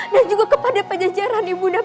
dan juga kepada pajajaran ibu undang